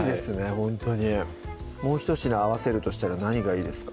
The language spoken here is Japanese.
ほんとにもう１品合わせるとしたら何がいいですか？